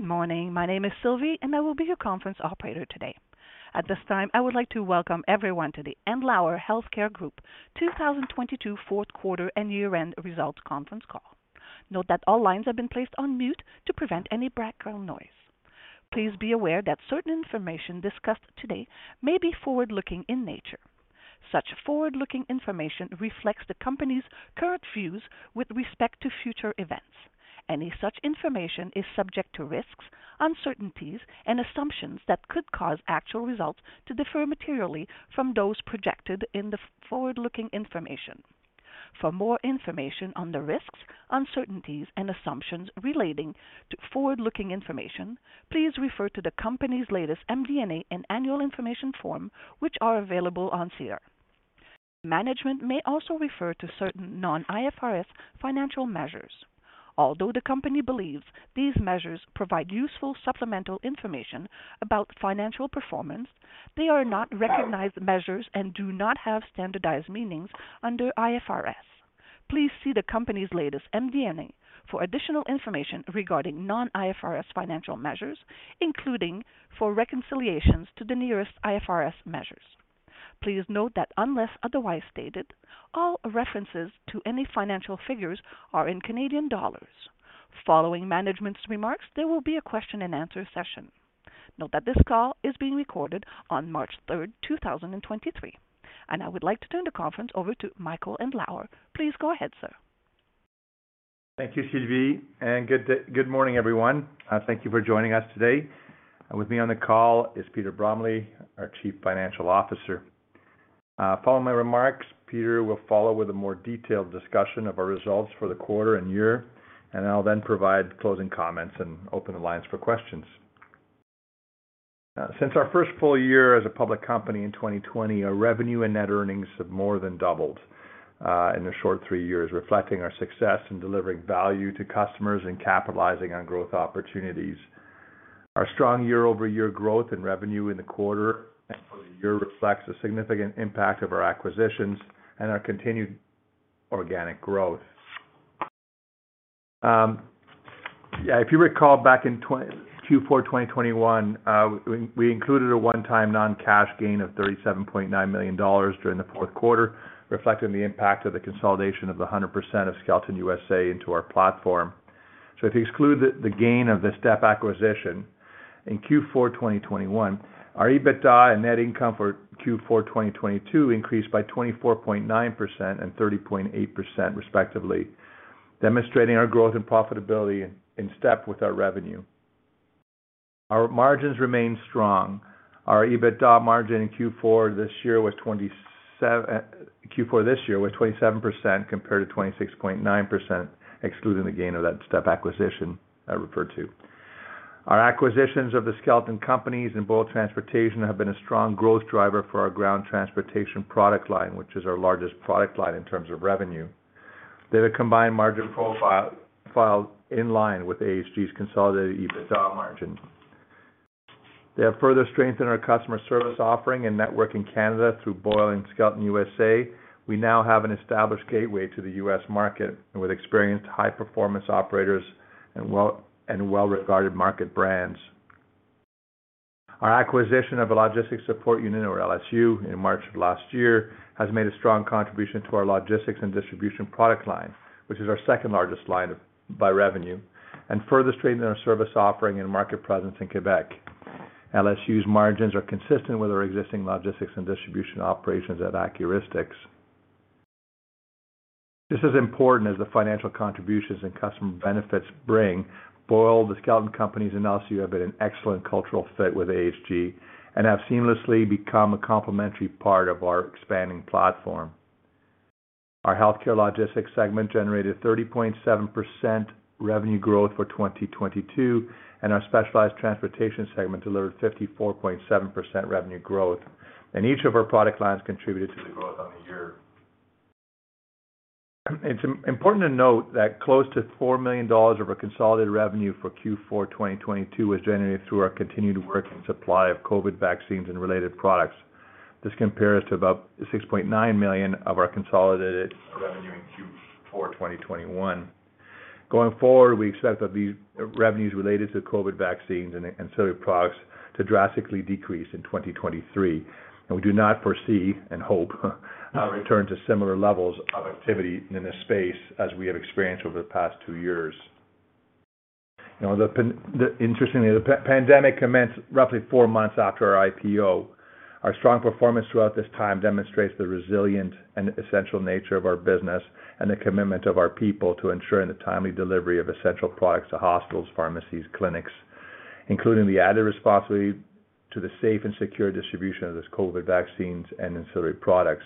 Good morning. My name is Sylvie. I will be your conference Operator today. At this time, I would like to welcome everyone to the Andlauer Healthcare Group 2022 fourth quarter and year-end results conference call. Note that all lines have been placed on mute to prevent any background noise. Please be aware that certain information discussed today may be forward-looking in nature. Such forward-looking information reflects the company's current views with respect to future events. Any such information is subject to risks, uncertainties, and assumptions that could cause actual results to differ materially from those projected in the forward-looking information. For more information on the risks, uncertainties, and assumptions relating to forward-looking information, please refer to the company's latest MD&A and Annual Information Form, which are available on SEDAR. Management may also refer to certain non-IFRS financial measures. Although the company believes these measures provide useful supplemental information about financial performance, they are not recognized measures and do not have standardized meanings under IFRS. Please see the company's latest MD&A for additional information regarding non-IFRS financial measures, including for reconciliations to the nearest IFRS measures. Please note that unless otherwise stated, all references to any financial figures are in Canadian dollars. Following management's remarks, there will be a question-and-answer session. Note that this call is being recorded on March 3rd, 2023. I would like to turn the conference over to Michael Andlauer. Please go ahead, sir. Thank you, Sylvie, good morning, everyone. Thank you for joining us today. With me on the call is Peter Bromley, our Chief Financial Officer. Following my remarks, Peter will follow with a more detailed discussion of our results for the quarter and year, and I'll then provide closing comments and open the lines for questions. Since our first full year as a public company in 2020, our revenue and net earnings have more than doubled, in a short three years, reflecting our success in delivering value to customers and capitalizing on growth opportunities. Our strong year-over-year growth in revenue in the quarter and for the year reflects the significant impact of our acquisitions and our continued organic growth. If you recall back in Q4 2021, we included a one-time non-cash gain of 37.9 million dollars during the fourth quarter, reflecting the impact of the consolidation of the 100% of Skelton USA into our platform. If you exclude the gain of the step acquisition in Q4 2021, our EBITDA and net income for Q4 2022 increased by 24.9% and 30.8% respectively, demonstrating our growth and profitability in step with our revenue. Our margins remain strong. Our EBITDA margin in Q4 this year was 27% compared to 26.9%, excluding the gain of that step acquisition I referred to. Our acquisitions of the Skelton Companies and Boyle Transportation have been a strong growth driver for our ground transportation product line, which is our largest product line in terms of revenue. They have a combined margin profile in line with AHG's consolidated EBITDA margin. They have further strengthened our customer service offering and network in Canada through Boyle and Skelton USA. We now have an established gateway to the U.S. market and with experienced high-performance operators and well-regarded market brands. Our acquisition of a Logistics Support Unit, or LSU, in March of last year has made a strong contribution to our logistics and distribution product line, which is our second-largest line by revenue, and further strengthened our service offering and market presence in Québec. LSU's margins are consistent with our existing logistics and distribution operations at Accuristix. Just as important as the financial contributions and customer benefits bring, Boyle, the Skelton Companies, and LSU have been an excellent cultural fit with AHG and have seamlessly become a complementary part of our expanding platform. Our healthcare logistics segment generated 30.7% revenue growth for 2022, and our specialized transportation segment delivered 54.7% revenue growth. Each of our product lines contributed to the growth on the year. It's important to note that close to $4 million of our consolidated revenue for Q4, 2022, was generated through our continued work and supply of COVID vaccines and related products. This compares to about $6.9 million of our consolidated revenue in Q4, 2021. Going forward, we expect that these revenues related to COVID vaccines and ancillary products to drastically decrease in 2023. We do not foresee and hope a return to similar levels of activity in this space as we have experienced over the past two years. You know, interestingly, the pandemic commenced roughly four months after our IPO. Our strong performance throughout this time demonstrates the resilient and essential nature of our business and the commitment of our people to ensuring the timely delivery of essential products to hospitals, pharmacies, clinics, including the added responsibility to the safe and secure distribution of those COVID vaccines and ancillary products.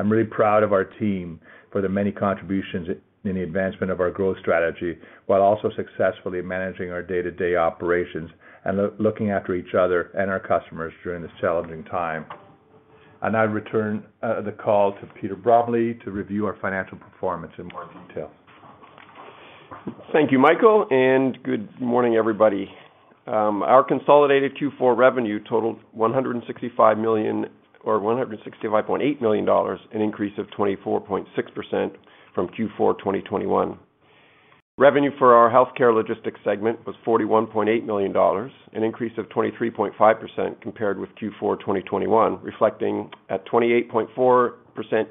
I'm really proud of our team for the many contributions in the advancement of our growth strategy, while also successfully managing our day-to-day operations and looking after each other and our customers during this challenging time. I return the call to Peter Bromley to review our financial performance in more detail. Thank you, Michael, and good morning, everybody. Our consolidated Q4 revenue totaled 165 million, or 165.8 million dollars, an increase of 24.6% from Q4 2021. Revenue for our healthcare logistics segment was 41.8 million dollars, an increase of 23.5% compared with Q4 2021, reflecting a 28.4%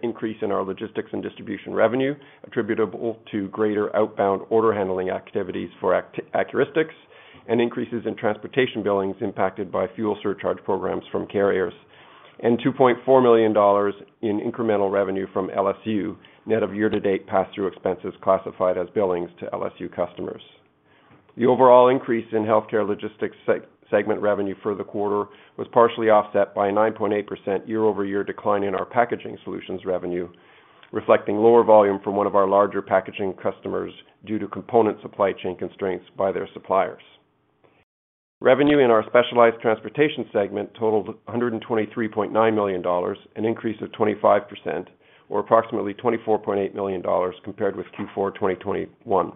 increase in our logistics and distribution revenue attributable to greater outbound order handling activities for Accuristix, and increases in transportation billings impacted by fuel surcharge programs from carriers. 2.4 million dollars in incremental revenue from LSU, net of year-to-date pass-through expenses classified as billings to LSU customers. The overall increase in healthcare logistics segment revenue for the quarter was partially offset by a 9.8% year-over-year decline in our packaging solutions revenue, reflecting lower volume from one of our larger packaging customers due to component supply chain constraints by their suppliers. Revenue in our specialized transportation segment totaled 123.9 million dollars, an increase of 25% or approximately 24.8 million dollars compared with Q4 2021.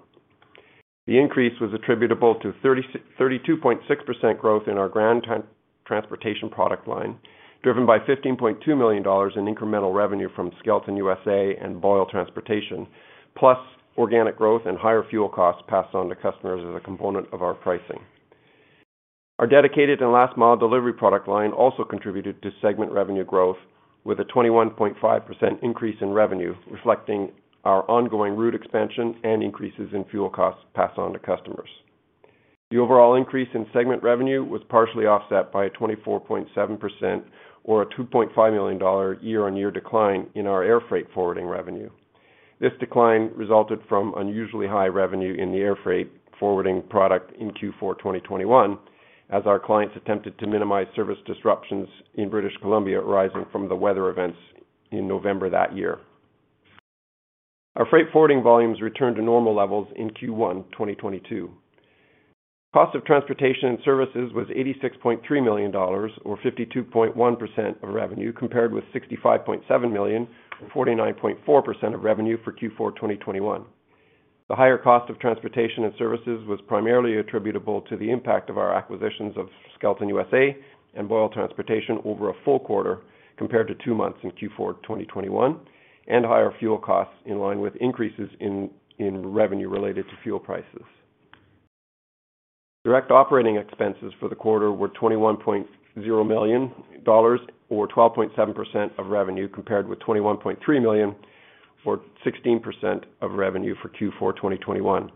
The increase was attributable to 32.6% growth in our ground transportation product line, driven by 15.2 million dollars in incremental revenue from Skeleton USA and Boyle Transportation, plus organic growth and higher fuel costs passed on to customers as a component of our pricing. Our dedicated and last mile delivery product line also contributed to segment revenue growth with a 21.5% increase in revenue, reflecting our ongoing route expansion and increases in fuel costs passed on to customers. The overall increase in segment revenue was partially offset by a 24.7% or a 2.5 million dollar year-on-year decline in our air freight forwarding revenue. This decline resulted from unusually high revenue in the air freight forwarding product in Q4 2021, as our clients attempted to minimize service disruptions in British Columbia arising from the weather events in November that year. Our freight forwarding volumes returned to normal levels in Q1 2022. Cost of transportation and services was 86.3 million dollars or 52.1% of revenue, compared with 65.7 million and 49.4% of revenue for Q4 2021. The higher cost of transportation and services was primarily attributable to the impact of our acquisitions of Skelton USA and Boyle Transportation over a full quarter, compared to two months in Q4 2021, and higher fuel costs in line with increases in revenue related to fuel prices. Direct operating expenses for the quarter were 21.0 million dollars or 12.7% of revenue, compared with 21.3 million or 16% of revenue for Q4 2021.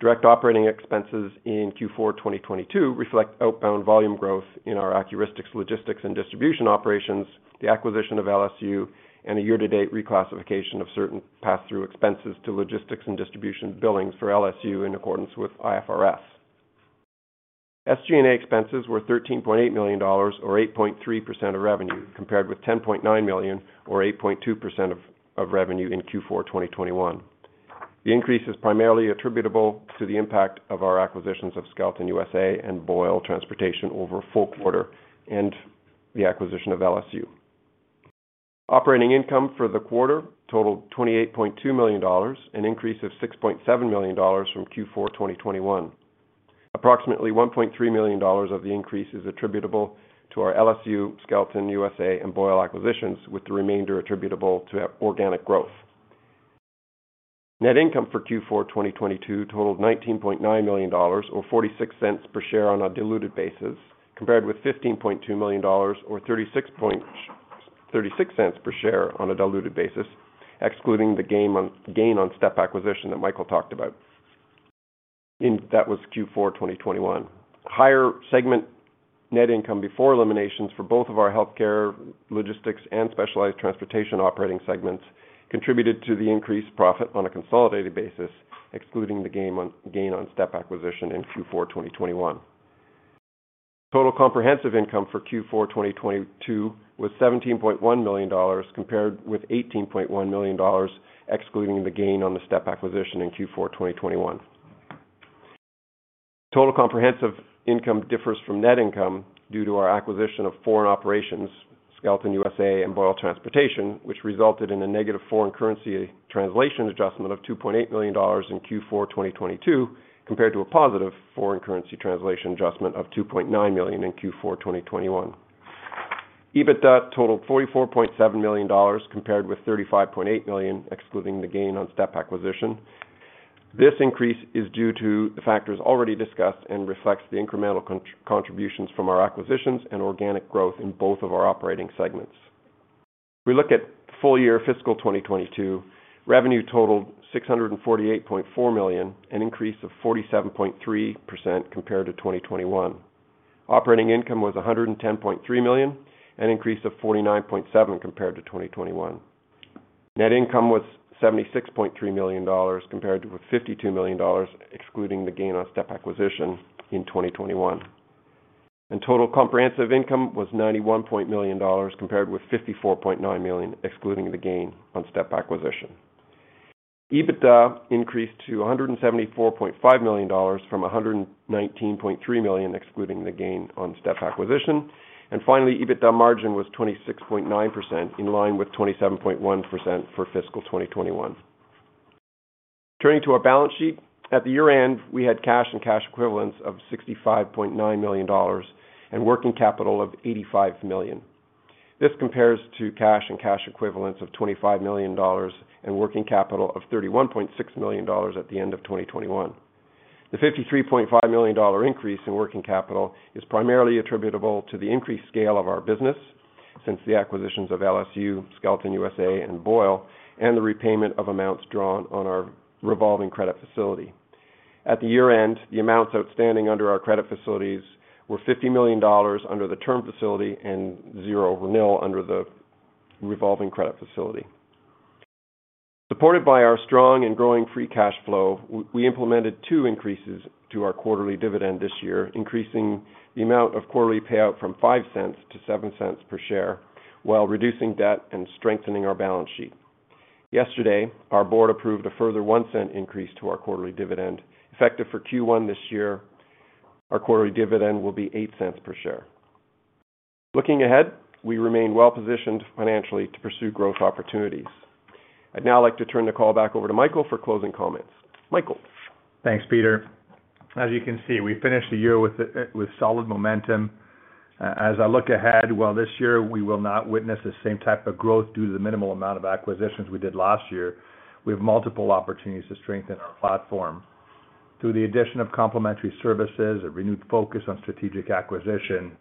Direct operating expenses in Q4 2022 reflect outbound volume growth in our Accuristix logistics and distribution operations, the acquisition of LSU, and a year-to-date reclassification of certain pass-through expenses to logistics and distribution billings for LSU in accordance with IFRS. SG&A expenses were 13.8 million dollars or 8.3% of revenue, compared with 10.9 million or 8.2% of revenue in Q4 2021. The increase is primarily attributable to the impact of our acquisitions of Skelton USA and Boyle Transportation over a full quarter and the acquisition of LSU. Operating income for the quarter totaled 28.2 million dollars, an increase of 6.7 million dollars from Q4 2021. Approximately 1.3 million dollars of the increase is attributable to our LSU, Skelton USA and Boyle acquisitions, with the remainder attributable to organic growth. Net income for Q4, 2022 totaled CAD 19.9 million or 0.46 per share on our diluted basis, compared with CAD 15.2 million or 0.36 per share on a diluted basis, excluding the gain on step acquisition that Michael talked about, and that was Q4, 2021. Higher segment net income before eliminations for both of our healthcare, logistics and specialized transportation operating segments contributed to the increased profit on a consolidated basis, excluding the gain on step acquisition in Q4, 2021. Total comprehensive income for Q4, 2022 was CAD 17.1 million, compared with CAD 18.1 million, excluding the gain on the step acquisition in Q4, 2021. Total comprehensive income differs from net income due to our acquisition of foreign operations, Skelton USA and Boyle Transportation, which resulted in a negative foreign currency translation adjustment of 2.8 million dollars in Q4 2022, compared to a positive foreign currency translation adjustment of 2.9 million in Q4 2021. EBITDA totaled 44.7 million dollars, compared with 35.8 million, excluding the gain on step acquisition. This increase is due to the factors already discussed and reflects the incremental contributions from our acquisitions and organic growth in both of our operating segments. If we look at full year fiscal 2022, revenue totaled 648.4 million, an increase of 47.3% compared to 2021. Operating income was CAD 110.3 million, an increase of 49.7% compared to 2021. Net income was 76.3 million dollars compared to 52 million dollars, excluding the gain on step acquisition in 2021. Total comprehensive income was 91. million compared with 54.9 million, excluding the gain on step acquisition. EBITDA increased to 174.5 million dollars from 119.3 million, excluding the gain on step acquisition. Finally, EBITDA margin was 26.9% in line with 27.1% for fiscal 2021. Turning to our balance sheet. At the year-end, we had cash-and-cash equivalents of 65.9 million dollars and working capital of 85 million. This compares to cash-and-cash equivalents of 25 million dollars and working capital of 31.6 million dollars at the end of 2021. The 53.5 million dollar increase in working capital is primarily attributable to the increased scale of our business since the acquisitions of LSU, Skelton USA, and Boyle, and the repayment of amounts drawn on our revolving credit facility. At the year-end, the amounts outstanding under our credit facilities were 50 million dollars under the term facility and zero or nil under the revolving credit facility. Supported by our strong and growing free cash flow, we implemented two increases to our quarterly dividend this year, increasing the amount of quarterly payout from 0.05 to 0.07 per share while reducing debt and strengthening our balance sheet. Yesterday, our board approved a further 0.01 increase to our quarterly dividend. Effective for Q1 this year, our quarterly dividend will be 0.08 per share. Looking ahead, we remain well positioned financially to pursue growth opportunities. I'd now like to turn the call back over to Michael for closing comments. Michael. Thanks, Peter. As you can see, we finished the year with solid momentum. As I look ahead, while this year we will not witness the same type of growth due to the minimal amount of acquisitions we did last year, we have multiple opportunities to strengthen our platform. Through the addition of complementary services, a renewed focus on strategic acquisition,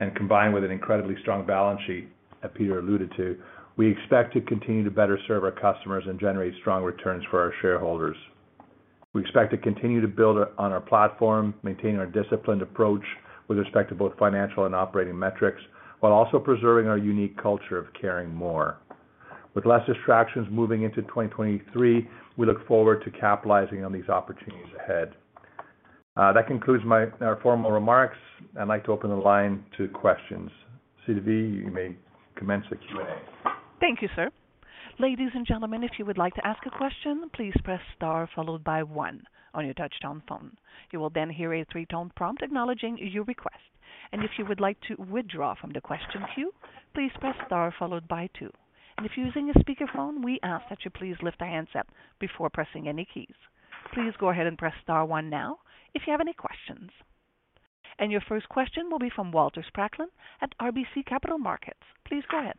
and combined with an incredibly strong balance sheet that Peter alluded to, we expect to continue to better serve our customers and generate strong returns for our shareholders. We expect to continue to build on our platform, maintain our disciplined approach with respect to both financial and operating metrics, while also preserving our unique culture of caring more. With less distractions moving into 2023, we look forward to capitalizing on these opportunities ahead. That concludes our formal remarks. I'd like to open the line to questions. Sylvie, you may commence the Q&A. Thank you, sir. Ladies and gentlemen, if you would like to ask a question, please press star followed by one on your touch-tone phone. You will then hear a three-tone prompt acknowledging your request. If you would like to withdraw from the question queue, please press star followed by two. If you're using a speakerphone, we ask that you please lift your hands up before pressing any keys. Please go ahead and press star one now if you have any questions. Your first question will be from Walter Spracklin at RBC Capital Markets. Please go ahead.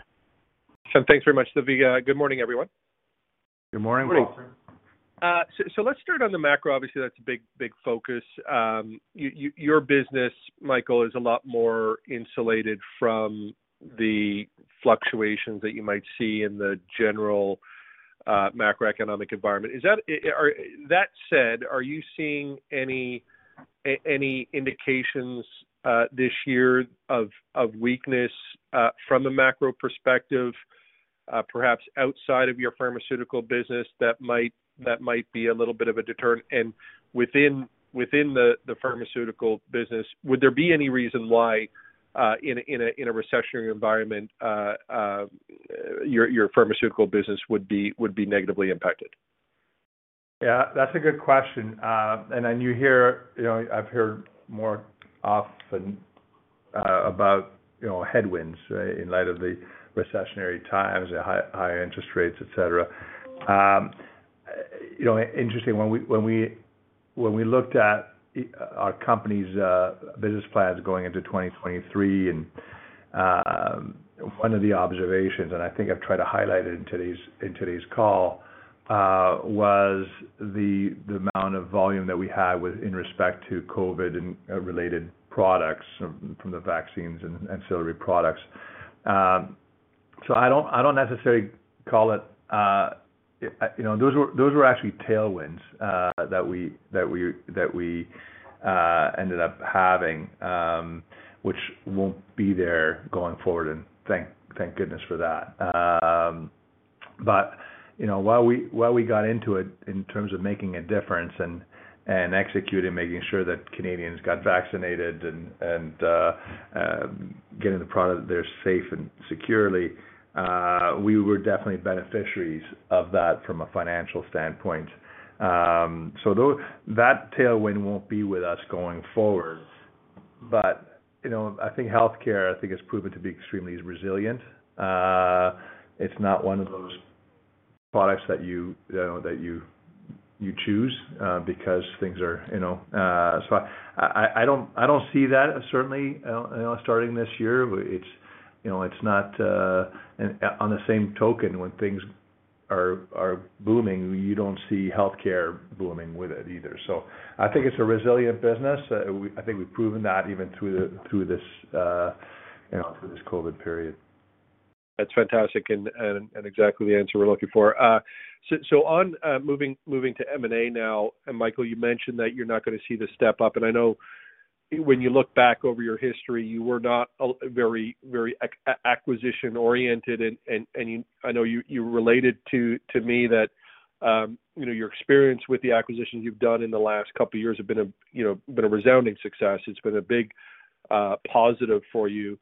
Sure. Thanks very much, Sylvie. Good morning, everyone. Good morning, Walter. Good morning. Let's start on the macro. Obviously, that's a big focus. Your business, Michael, is a lot more insulated from the fluctuations that you might see in the general macroeconomic environment. That said, are you seeing any indications this year of weakness from a macro perspective, perhaps outside of your pharmaceutical business that might be a little bit of a deterrent? Within the pharmaceutical business, would there be any reason why in a recessionary environment your pharmaceutical business would be negatively impacted? Yeah, that's a good question. You know, I've heard more often, about, you know, headwinds, in light of the recessionary times, high interest rates, et cetera. You know, interesting, when we looked at our company's business plans going into 2023 and, one of the observations, and I think I've tried to highlight it in today's call, was the amount of volume that we had in respect to COVID and related products from the vaccines and ancillary products. I don't necessarily call it. Those were actually tailwinds that we ended up having, which won't be there going forward, and thank goodness for that. You know, while we, while we got into it in terms of making a difference and, executing, making sure that Canadians got vaccinated and, getting the product there safe and securely, we were definitely beneficiaries of that from a financial standpoint. That tailwind won't be with us going forward. You know, I think healthcare, I think has proven to be extremely resilient. It's not one of those products that you know, that you choose, because things are, you know. I don't see that certainly, you know, starting this year. It's, you know, it's not. On the same token, when things are booming, you don't see healthcare booming with it either. I think it's a resilient business. I think we've proven that even through the, through this, you know, through this COVID period. That's fantastic and exactly the answer we're looking for. So on moving to M&A now, Michael, you mentioned that you're not gonna see the step up. I know when you look back over your history, you were not very acquisition oriented. You, I know you related to me that, you know, your experience with the acquisitions you've done in the last couple of years have been a, you know, resounding success. It's been a big positive for you.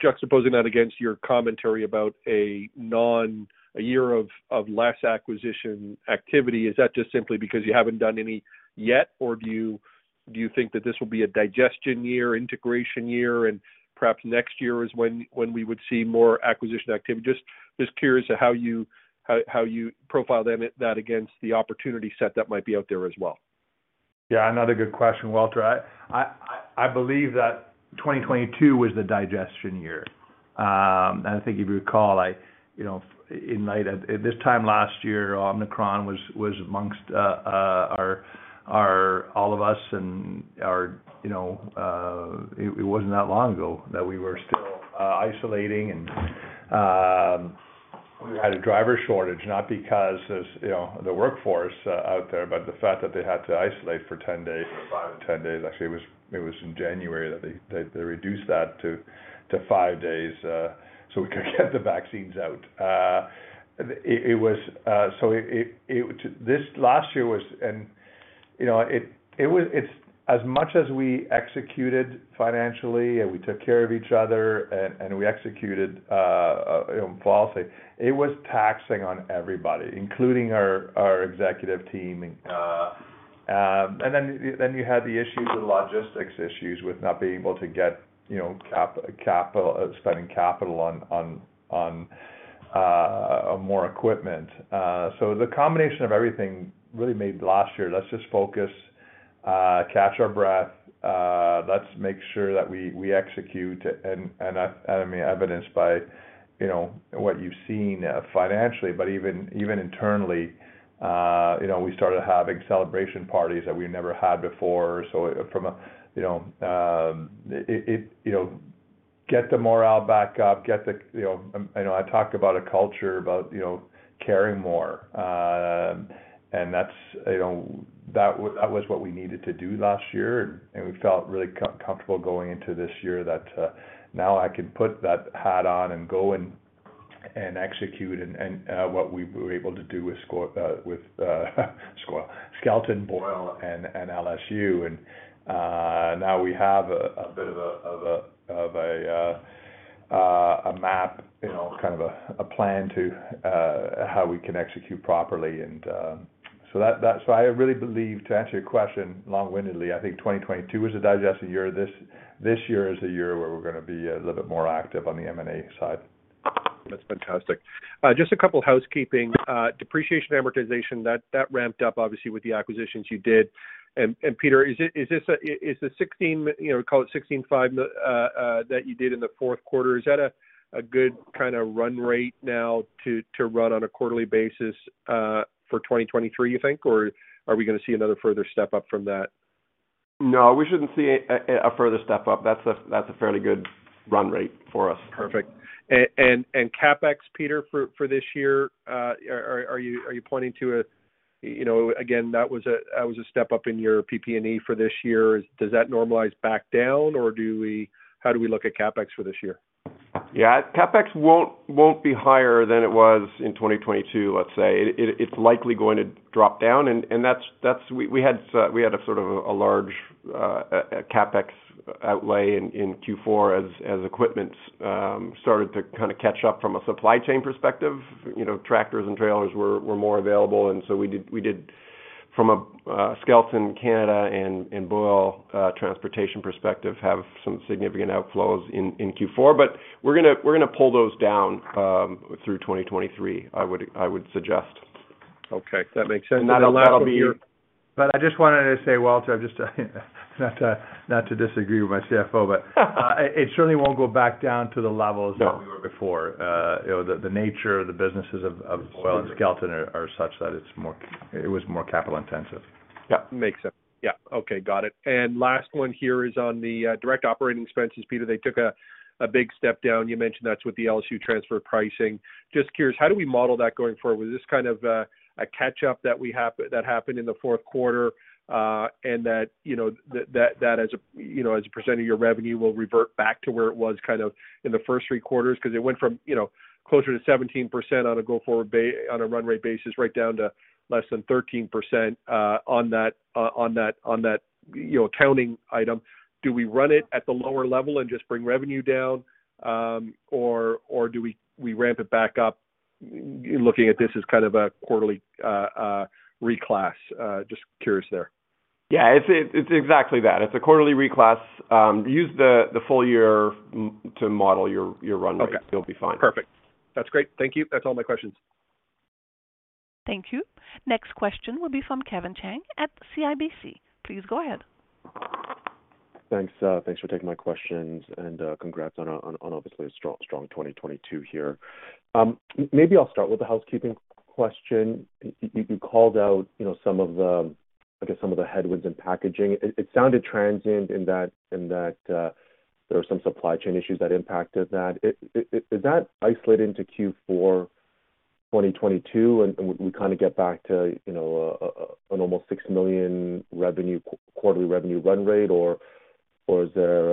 Juxtaposing that against your commentary about a year of less acquisition activity, is that just simply because you haven't done any yet? Do you think that this will be a digestion year, integration year, and perhaps next year is when we would see more acquisition activity? Just curious to how you profile that against the opportunity set that might be out there as well. Yeah, another good question, Walter. I believe that 2022 was the digestion year. I think if you recall, I, you know, at this time last year, Omicron was amongst our all of us and our, you know, it wasn't that long ago that we were still isolating and had a driver shortage, not because as you know, the workforce out there, but the fact that they had to isolate for 10 days. Five days-10 days, actually, it was in January that they reduced that to five days, so we could get the vaccines out. It was... it this last year was... You know, it's as much as we executed financially and we took care of each other and we executed, you know, falsely, it was taxing on everybody, including our executive team. Then, then you had the issues with logistics issues, with not being able to get, you know, capital, spending capital on more equipment. The combination of everything really made last year. Let's just focus, catch our breath. Let's make sure that we execute. I mean, evidenced by, you know, what you've seen financially, but even internally, you know, we started having celebration parties that we never had before. From a, you know, it, you know, get the morale back up, get the, you know... I know I talked about a culture about, you know, caring more, and that's, you know, that was what we needed to do last year, and we felt really comfortable going into this year that, now I can put that hat on and go and execute and what we were able to do with Skelton, Boyle and LSU. Now we have a bit of a map, you know, kind of a plan to how we can execute properly. So that's why I really believe, to answer your question long-windedly, I think 2022 was a digestion year. This, this year is the year where we're gonna be a little bit more active on the M&A side. That's fantastic. Just a couple housekeeping. Depreciation, amortization, that ramped up obviously with the acquisitions you did. Peter, is the 16 million, you know, call it 16.5 million that you did in the Q4, is that a good kinda run rate now to run on a quarterly basis, for 2023, you think? Or are we gonna see another further step up from that? No, we shouldn't see a further step up. That's a fairly good run rate for us. Perfect. CapEx, Peter, for this year, are you pointing to a. You know, again, that was a step up in your PP&E for this year. Does that normalize back down, or how do we look at CapEx for this year? Yeah. CapEx won't be higher than it was in 2022, let's say. It's likely going to drop down, and that's. We had a sort of a large CapEx outlay in Q4 as equipment started to kinda catch up from a supply chain perspective. You know, tractors and trailers were more available, and so we did from a Skelton Canada and Boyle Transportation perspective, have some significant outflows in Q4. We're gonna pull those down through 2023, I would suggest. Okay. That makes sense. And that'll be- last here- I just wanted to say, Walter, just not to disagree with my CFO, but- it certainly won't go back down to the levels- No... that we were before. you know, the nature of the businesses of Boyle and Skelton are such that it was more capital intensive. Yeah. Makes sense. Yeah. Okay, got it. Last one here is on the direct operating expenses. Peter, they took a big step down. You mentioned that's with the LSU transfer pricing. Just curious, how do we model that going forward? Was this kind of a catch up that happened in the fourth quarter, and that, you know, that as a, you know, as a percent of your revenue will revert back to where it was kind of in the first three quarters? 'Cause it went from, you know, closer to 17% on a go-forward on a run rate basis right down to less than 13%, on that, you know, accounting item. Do we run it at the lower level and just bring revenue down, or do we ramp it back up looking at this as kind of a quarterly reclass? Just curious there. Yeah, it's exactly that. It's a quarterly reclass. Use the full year to model your run rate. Okay. You'll be fine. Perfect. That's great. Thank you. That's all my questions. Thank you. Next question will be from Kevin Chiang at CIBC. Please go ahead. Thanks. Thanks for taking my questions, and congrats on obviously a strong 2022 here. Maybe I'll start with the housekeeping question. You called out, you know, some of the, I guess, some of the headwinds in packaging. It sounded transient in that, there were some supply chain issues that impacted that. Is that isolated into Q4 2022, and we kinda get back to, you know, an almost 6 million revenue, quarterly revenue run rate? Or is there,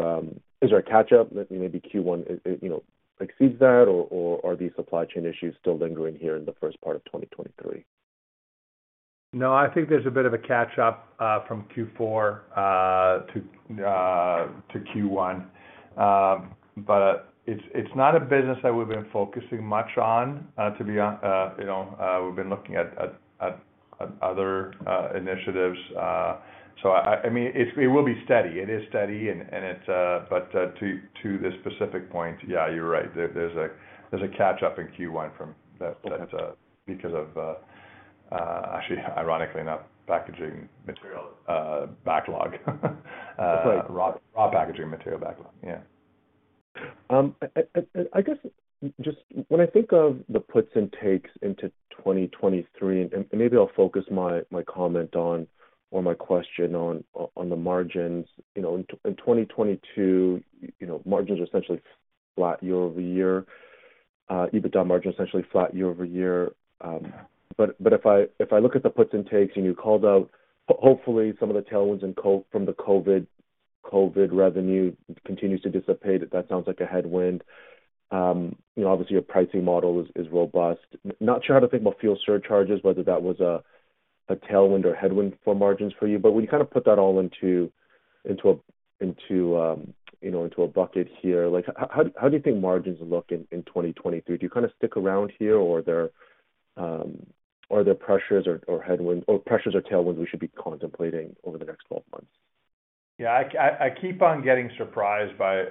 is there a catch-up that maybe Q1, you know, exceeds that, or are these supply chain issues still lingering here in the first part of 2023? No, I think there's a bit of a catch-up, from Q4, to Q1. It's not a business that we've been focusing much on, you know, we've been looking at other, initiatives. I mean, it will be steady. It is steady and it's, but, to this specific point, yeah, you're right. There's a catch-up in Q1 from that. Okay that's because of, actually, ironically enough, packaging material, backlog. It's like. Raw, raw packaging material backlog. Yeah. I guess just when I think of the puts and takes into 2023, and maybe I'll focus my comment on or my question on the margins. You know, in 2022, you know, margins are essentially flat year-over-year, EBITDA margin essentially flat year-over-year. If I look at the puts and takes, and you called out, hopefully some of the tailwinds from the COVID revenue continues to dissipate. That sounds like a headwind. You know, obviously your pricing model is robust. Not sure how to think about fuel surcharges, whether that was a tailwind or headwind for margins for you. When you kind of put that all into a, you know, into a bucket here, like how do you think margins look in 2023? Do you kind of stick around here or are there pressures or headwinds or pressures or tailwinds we should be contemplating over the next 12 months? Yeah, I keep on getting surprised by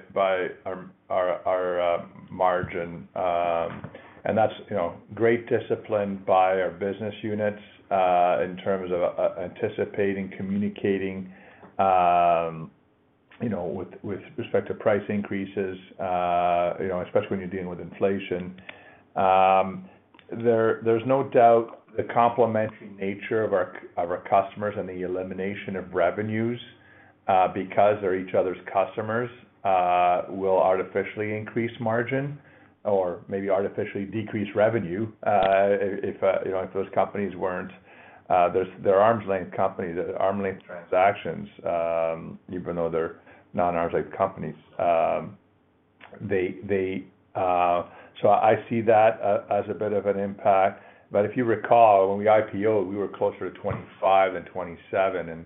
our margin. That's, you know, great discipline by our business units, in terms of anticipating, communicating, you know, with respect to price increases, you know, especially when you're dealing with inflation. There's no doubt the complementary nature of our customers and the elimination of revenues, because they're each other's customers, will artificially increase margin or maybe artificially decrease revenue, if, you know, if those companies weren't... They're arm's length companies, they're arm's length transactions, even though they're non-arm's length companies. I see that as a bit of an impact. If you recall, when we IPO'd, we were closer to 25% and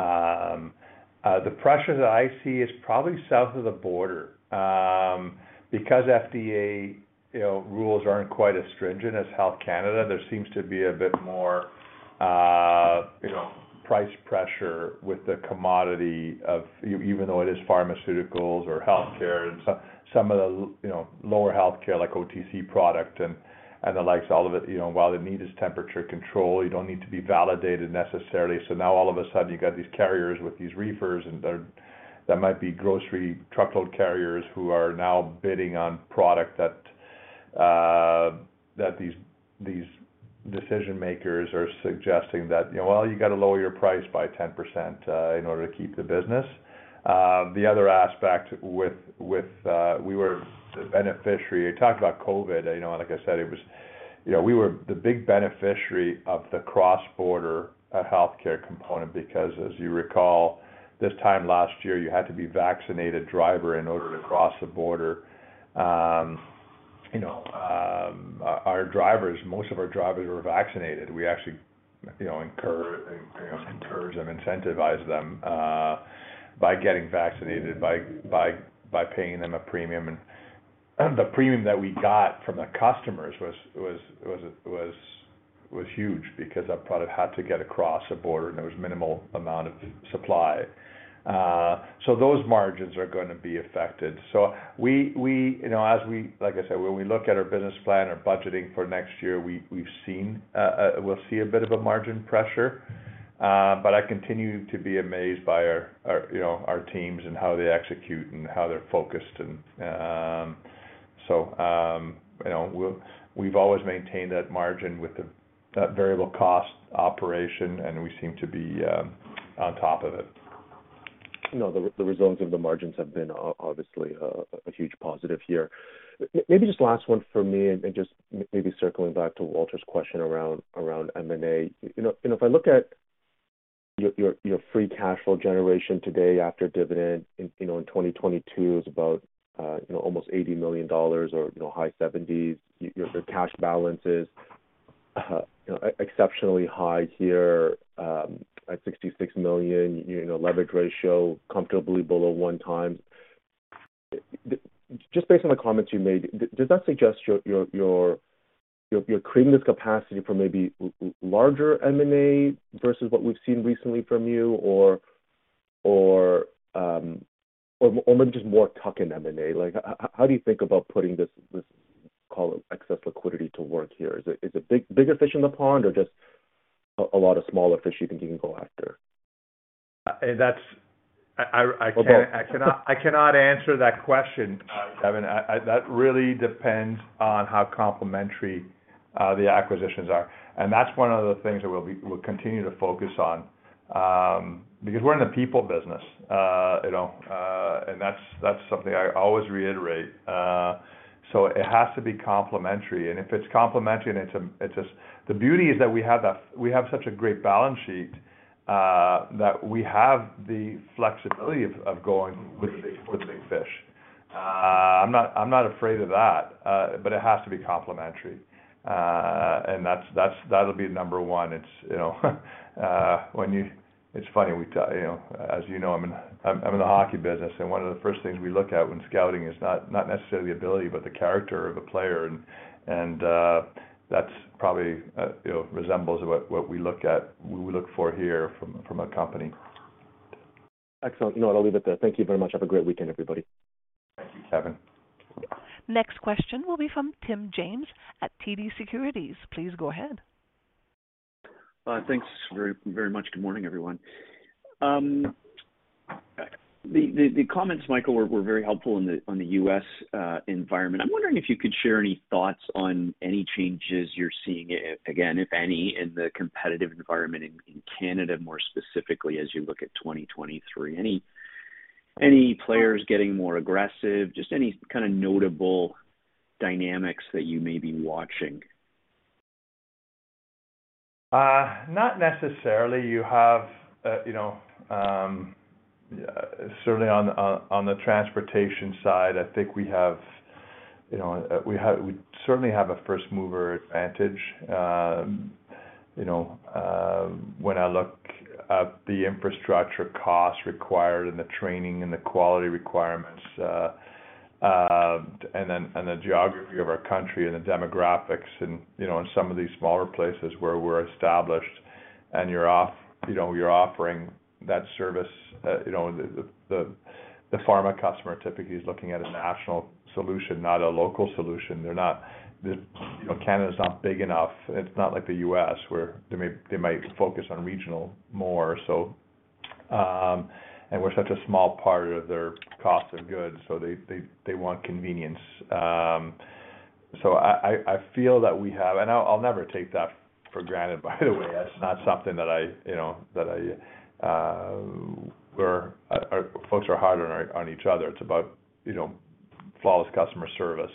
27%. The pressure that I see is probably south of the border. Because FDA, you know, rules aren't quite as stringent as Health Canada, there seems to be a bit more, you know, price pressure with the commodity of even though it is pharmaceuticals or healthcare and so some of the, you know, lower healthcare like OTC product and the likes. All of it, you know, while the need is temperature control, you don't need to be validated necessarily. Now all of a sudden you got these carriers with these reefers, that might be grocery truckload carriers who are now bidding on product that these decision makers are suggesting that, you know, well, you got to lower your price by 10% in order to keep the business. The other aspect with, we were the beneficiary. You talked about COVID. You know, like I said, it was. You know, we were the big beneficiary of the cross-border healthcare component because as you recall, this time last year, you had to be vaccinated driver in order to cross the border. You know, our drivers, most of our drivers were vaccinated. We actually, you know, incur, you know, incurs them, incentivize them by getting vaccinated by paying them a premium. The premium that we got from the customers was huge because that product had to get across a border and there was minimal amount of supply. Those margins are gonna be affected. We, you know, as we like I said, when we look at our business plan, our budgeting for next year, we've seen, we'll see a bit of a margin pressure. I continue to be amazed by our, you know, our teams and how they execute and how they're focused. You know, we'll we've always maintained that margin with the that very low cost operation, and we seem to be on top of it. You know, the results of the margins have been obviously a huge positive here. Maybe just last one for me and just maybe circling back to Walter's question around M&A. You know, if I look at your free cash flow generation today after dividend in 2022 is about almost 80 million dollars or high 70s. Your cash balance is, you know, exceptionally high here at 66 million. You know, leverage ratio comfortably below 1x. Just based on the comments you made, does that suggest your creating this capacity for maybe larger M&A versus what we've seen recently from you? Or maybe just more tuck-in M&A? Like, how do you think about putting this, call it, excess liquidity to work here? Is it big, bigger fish in the pond or just a lot of smaller fish you think you can go after? That's I. Both. I cannot answer that question, Kevin. That really depends on how complementary, the acquisitions are, and that's one of the things that we'll continue to focus on, because we're in the people business. You know, and that's something I always reiterate. It has to be complementary. If it's complementary and it's a... The beauty is that we have such a great balance sheet, that we have the flexibility of going with the big fish. I'm not afraid of that, but it has to be complementary. That's, that'll be number one. You know, when you, It's funny, you know, as you know, I'm in the hockey business, and one of the first things we look at when scouting is not necessarily the ability but the character of a player. That's probably, you know, resembles what we look at, we look for here from a company. Excellent. You know what? I'll leave it there. Thank you very much. Have a great weekend, everybody. Thank you, Kevin. Next question will be from Tim James at TD Securities. Please go ahead. Thanks very, very much. Good morning, everyone. The comments, Michael, were very helpful on the U.S. environment. I'm wondering if you could share any thoughts on any changes you're seeing, if again, if any, in the competitive environment in Canada, more specifically as you look at 2023. Any players getting more aggressive? Just any kind of notable dynamics that you may be watching. Not necessarily. You have, you know, certainly on, on the transportation side, I think we have, we certainly have a first mover advantage. You know, when I look at the infrastructure costs required and the training and the quality requirements, and then, and the geography of our country and the demographics and, you know, in some of these smaller places where we're established and you're offering that service, you know, the pharma customer typically is looking at a national solution, not a local solution. The, you know, Canada is not big enough. It's not like the U.S. where they may, they might focus on regional more. And we're such a small part of their cost of goods, so they want convenience. I feel that we have... And I'll never take that for granted, by the way. That's not something that I, you know, that I, folks are harder on each other. It's about, you know, flawless customer service.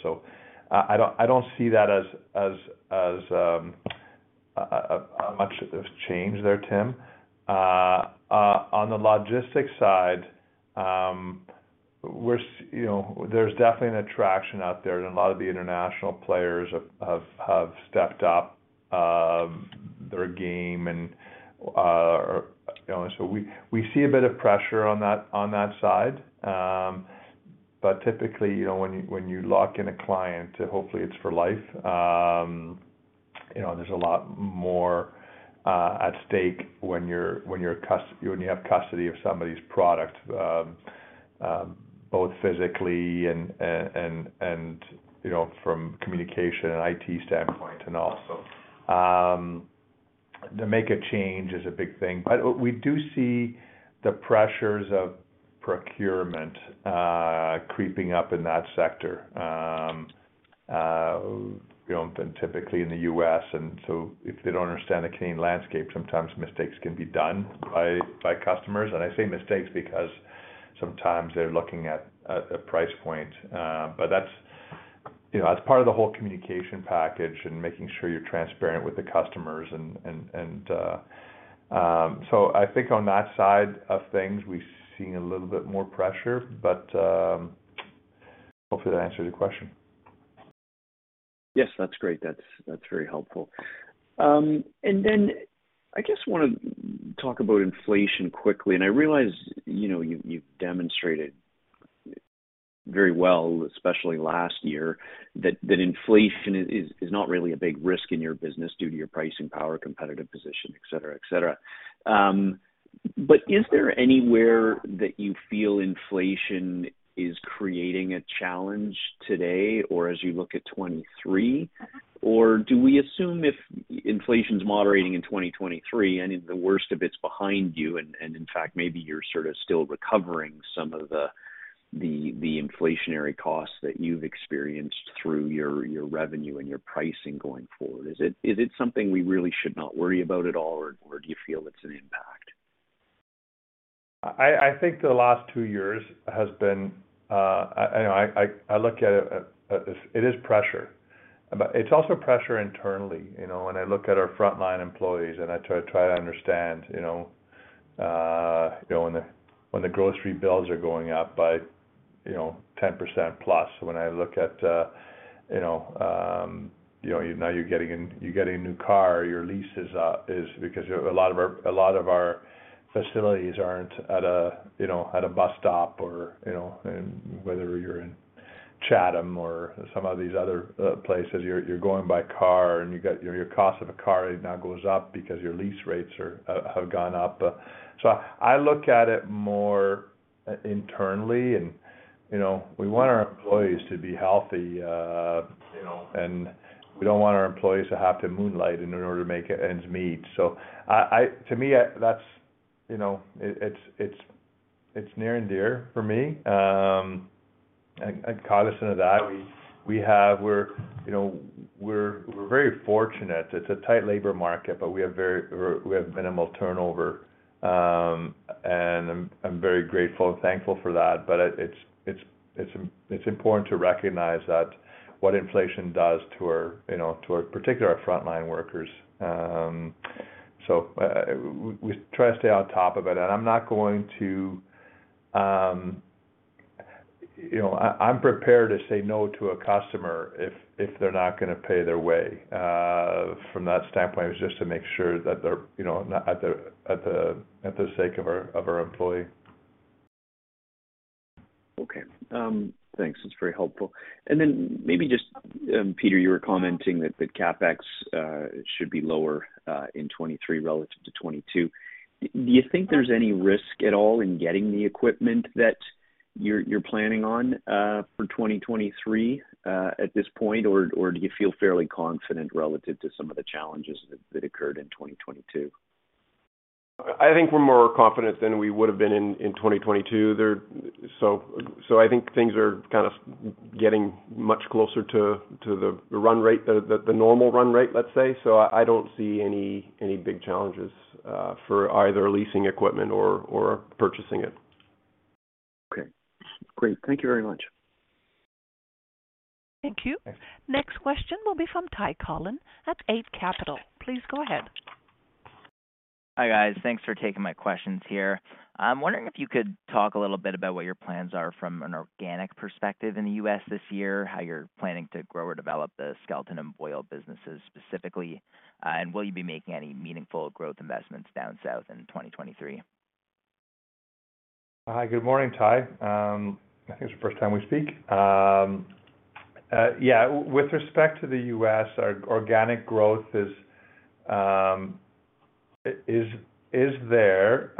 I don't see that as much of change there, Tim. On the logistics side, you know, there's definitely an attraction out there, and a lot of the international players have stepped up their game and, you know, we see a bit of pressure on that side. Typically, you know, when you lock in a client, hopefully it's for life. You know, there's a lot more at stake when you have custody of somebody's product, both physically and, you know, from communication and IT standpoint and all. To make a change is a big thing. We do see the pressures of procurement creeping up in that sector, you know, and typically in the U.S. If they don't understand the Canadian landscape, sometimes mistakes can be done by customers. I say mistakes because sometimes they're looking at a price point. That's, you know, that's part of the whole communication package and making sure you're transparent with the customers and... I think on that side of things, we're seeing a little bit more pressure. Hopefully that answers your question. Yes, that's great. That's very helpful. Then I just wanna talk about inflation quickly. I realize, you know, you demonstrated very well, especially last year, that inflation is not really a big risk in your business due to your pricing power, competitive position, et cetera, et cetera. Is there anywhere that you feel inflation is creating a challenge today or as you look at 2023? Do we assume if inflation's moderating in 2023 and if the worst of it's behind you, and in fact, maybe you're sort of still recovering some of the inflationary costs that you've experienced through your revenue and your pricing going forward, is it something we really should not worry about at all, or do you feel it's an impact? I think the last two years has been. You know, I look at it as it is pressure, but it's also pressure internally, you know. When I look at our frontline employees and I try to understand, you know, when the, when the grocery bills are going up by, you know, 10%+. When I look at, you know, now you're getting a new car, your lease is up, is because a lot of our facilities aren't at a, you know, at a bus stop or, you know, and whether you're in Chatham or some of these other places, you're going by car and you got your cost of a car now goes up because your lease rates have gone up. I look at it more internally and, you know, we want our employees to be healthy, you know, and we don't want our employees to have to moonlight in order to make ends meet. To me, that's, you know, it's, it's near and dear for me. I'm cognizant of that. We're, you know, we're very fortunate. It's a tight labor market, but we have very minimal turnover. I'm very grateful and thankful for that. It's, it's, it's important to recognize that what inflation does to our, you know, to our particular frontline workers. We, we try to stay on top of it. I'm not going to. You know, I'm prepared to say no to a customer if they're not gonna pay their way, from that standpoint, just to make sure that they're, you know, not at the sake of our employee. Okay. thanks. That's very helpful. Then maybe just, Peter, you were commenting that the CapEx should be lower in 2023 relative to 2022. Do you think there's any risk at all in getting the equipment that, you're, you're planning on, for 2023, at this point? Or do you feel fairly confident relative to some of the challenges that occurred in 2022? I think we're more confident than we would have been in 2022 there. I think things are kind of getting much closer to the run rate, the normal run rate, let's say. I don't see any big challenges for either leasing equipment or purchasing it. Okay, great. Thank you very much. Thank you. Next question will be from Ty Collin at Eight Capital. Please go ahead. Hi, guys. Thanks for taking my questions here. I'm wondering if you could talk a little bit about what your plans are from an organic perspective in the U.S. this year, how you're planning to grow or develop the Skelton and Boyle businesses specifically, and will you be making any meaningful growth investments down south in 2023? Hi. Good morning, Ty. I think it's the first time we speak. Yeah, with respect to the U.S., our organic growth is there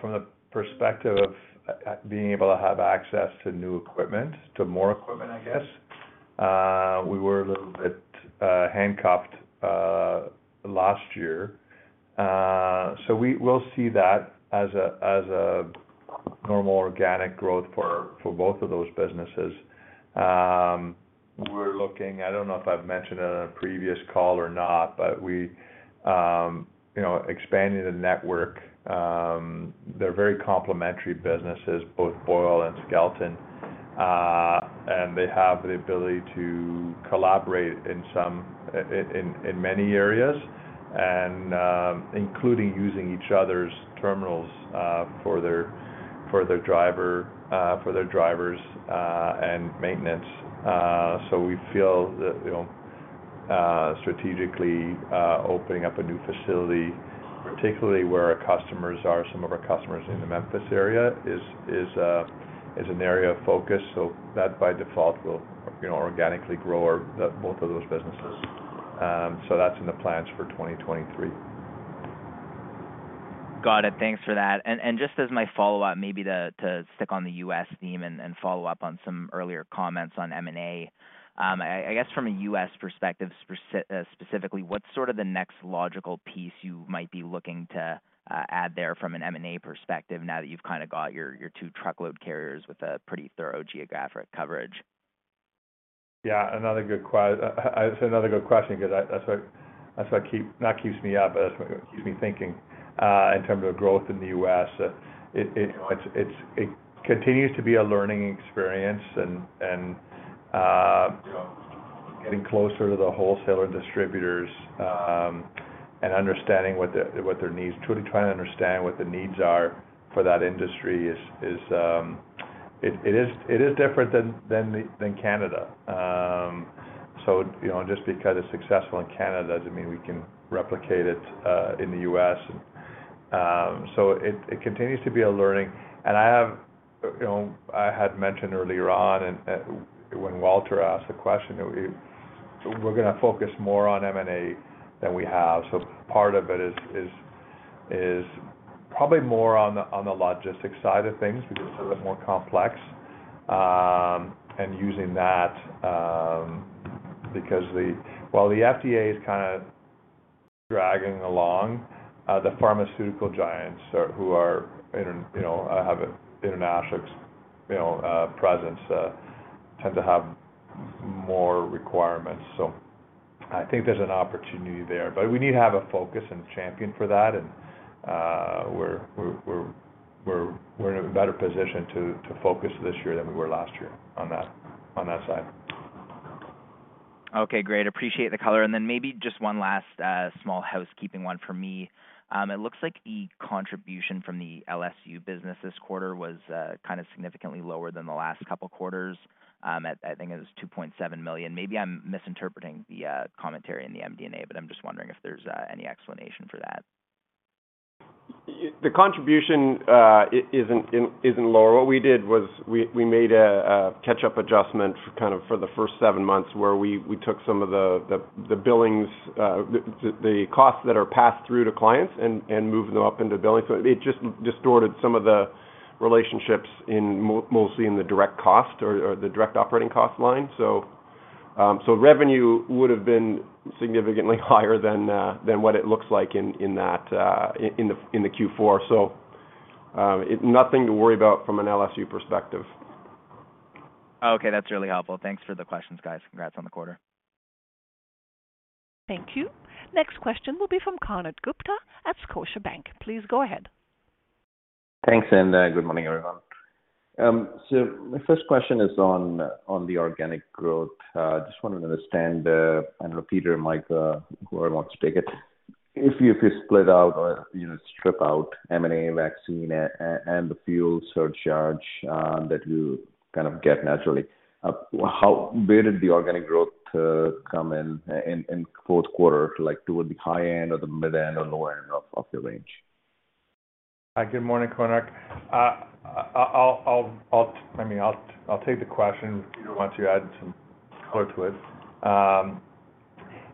from the perspective of being able to have access to new equipment, to more equipment, I guess. We were a little bit handcuffed last year. We will see that as a normal organic growth for both of those businesses. We're looking... I don't know if I've mentioned in a previous call or not, but we, you know, expanding the network, they're very complementary businesses, both Boyle and Skelton. They have the ability to collaborate in many areas, and including using each other's terminals for their drivers and maintenance. We feel that, you know, strategically, opening up a new facility, particularly where our customers are, some of our customers in the Memphis area is an area of focus. That by default will, you know, organically grow our both of those businesses. That's in the plans for 2023. Got it. Thanks for that. Just as my follow-up, maybe to stick on the U.S. theme and follow up on some earlier comments on M&A. I guess from a U.S. perspective specifically, what's sort of the next logical piece you might be looking to add there from an M&A perspective now that you've kind of got your two truckload carriers with a pretty thorough geographic coverage? Another good question 'cause that's what keeps me thinking in terms of growth in the U.S. It, you know, it's, it continues to be a learning experience and getting closer to the wholesaler distributors and understanding what their needs. Truly trying to understand what the needs are for that industry is, it is different than Canada. You know, just because it's successful in Canada doesn't mean we can replicate it in the U.S. It continues to be a learning. I have, you know, I had mentioned earlier on and when Walter asked the question, we're gonna focus more on M&A than we have. Part of it is probably more on the logistics side of things because it's a little more complex, and using that. While the FDA is kinda dragging along, the pharmaceutical giants are who are in, you know, have international, you know, presence, tend to have more requirements. I think there's an opportunity there. We need to have a focus and champion for that and, we're in a better position to focus this year than we were last year on that side. Okay, great. Appreciate the color. Maybe just one last, small housekeeping one for me. It looks like the contribution from the LSU business this quarter was kind of significantly lower than the last couple of quarters. I think it was 2.7 million. Maybe I'm misinterpreting the commentary in the MD&A, but I'm just wondering if there's any explanation for that. The contribution isn't lower. What we did was we made a catch-up adjustment kind of for the first seven months where we took some of the billings, the costs that are passed through to clients and moved them up into billing. It just distorted some of the relationships mostly in the direct cost or the direct operating cost line. Revenue would have been significantly higher than what it looks like in that in the Q4. Nothing to worry about from an LSU perspective. Okay, that's really helpful. Thanks for the questions, guys. Congrats on the quarter. Thank you. Next question will be from Konark Gupta at Scotiabank. Please go ahead. Thanks. Good morning, everyone. My first question is on the organic growth. Just wanted to understand, and Peter and Mike, whoever wants to take it, if you split out or, you know, strip out M&A, vaccine, and the fuel surcharge that you kind of get naturally, where did the organic growth come in in fourth quarter, like, toward the high end or the mid end or lower end of your range? Hi, good morning, Konark. I mean, I'll take the question. Peter wants to add some color to it.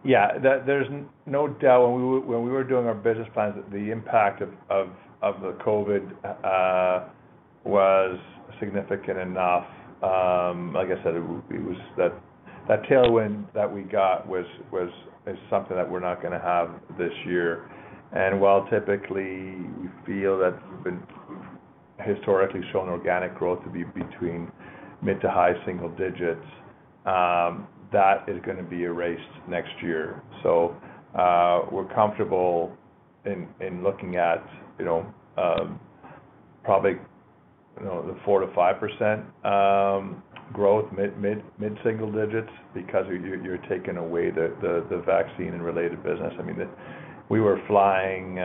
Yeah. There's no doubt when we were, when we were doing our business plans that the impact of the COVID was significant enough. Like I said, it was that tailwind that we got is something that we're not gonna have this year. While typically we feel that we've historically shown organic growth to be between mid to high single digits, that is gonna be erased next year. We're comfortable in looking at, you know, probably, you know, the 4%-5% growth, mid single digits because you're taking away the vaccine and related business. I mean, we were flying,